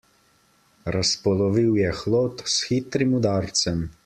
Razpolovil je hlod s hitrim udarcem.